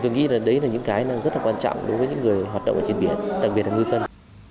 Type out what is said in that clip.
tôi nghĩ là đấy là những cái rất là quan trọng đối với những người hoạt động ở trên biển đặc biệt là ngư dân